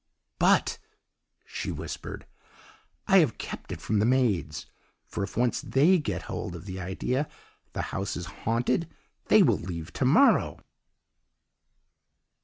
'But,' she whispered, 'I have kept it from the maids, for if once they get hold of the idea the house is haunted they will leave to morrow.